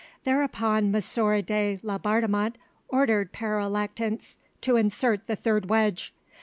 Thereupon M. de Laubardemont ordered Pere Lactance to insert the third wedge.